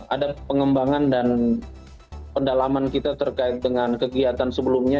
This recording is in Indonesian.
ada pengembangan dan pendalaman kita terkait dengan kegiatan sebelumnya